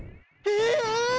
え！